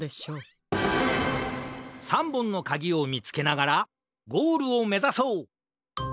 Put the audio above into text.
３ぼんのかぎをみつけながらゴールをめざそう！